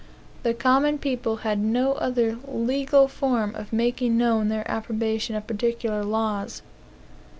The common people had no other legal form of making known their approbation of particular laws.